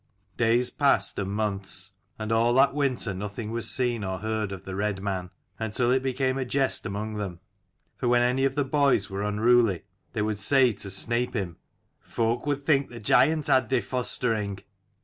Days passed, and months : and all that winter nothing was seen or heard of the red man : until it became a jest among them. For when any of the boys were unruly, they would say to snape him, " Folk would think the giant had thy fostering."